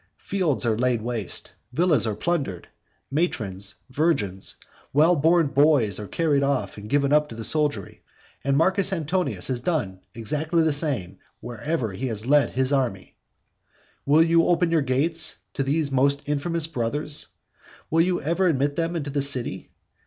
Fields are laid waste, villas are plundered, matrons, virgins, well born boys are carried off and given up to the soldiery, and Marcus Antonius has done exactly the same wherever he has led his army. XIII. Will you open your gates to these most infamous brothers? will you ever admit them into the city?